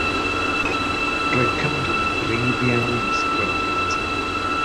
Roedd Cymru'n gryf iawn yn y sgrym gyntaf.